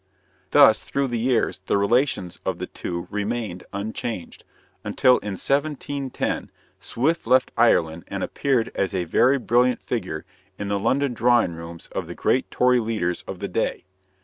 Thus through the years the relations of the two remained unchanged, until in 1710 Swift left Ireland and appeared as a very brilliant figure in the London drawing rooms of the great Tory leaders of the day.